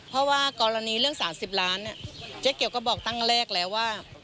เพราะว่ากรณีเรื่อง๓๐ล้านเจ๊เกียวก็บอกตั้งแรกแล้วว่า